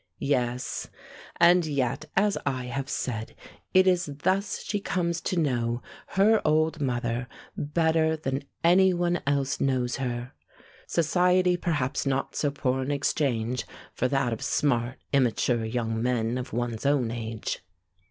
Yes; and yet, as I have said, it is thus she comes to know her old mother better than any one else knows her society perhaps not so poor an exchange for that of smart, immature young men of one's own age.